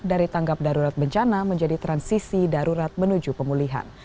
dari tanggap darurat bencana menjadi transisi darurat menuju pemulihan